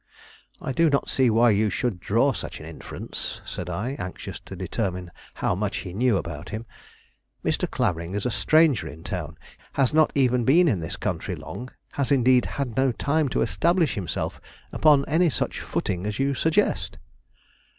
"I do not see why you should draw such an inference," said I, anxious to determine how much he knew about him. "Mr. Clavering is a stranger in town; has not even been in this country long; has indeed had no time to establish himself upon any such footing as you suggest."